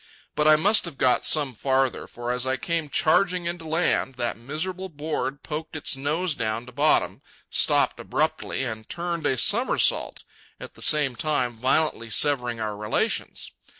But I must have got some farther, for as I came charging in to land, that miserable board poked its nose down to bottom, stopped abruptly, and turned a somersault, at the same time violently severing our relations.